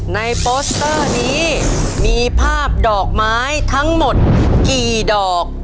โปสเตอร์นี้มีภาพดอกไม้ทั้งหมดกี่ดอก